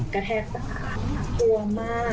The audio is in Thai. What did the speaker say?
กระแทกตา